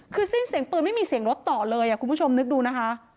คือสิ้นเสียงปืนไม่มีเสียงรถต่อเลยคุณผู้ชมนึกดูนะคะ